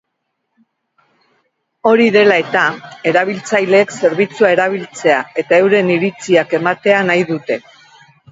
Hori dela eta, erabiltzaileek zerbitzua erabiltzea eta euren iritziak ematea nahi dute.